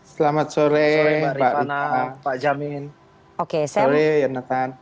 selamat sore pak rikana pak jamin sore yonatan